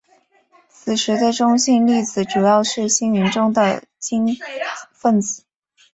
此时的中性粒子主要是星云中的氢分子。